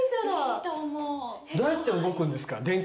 どうやって動くんですか？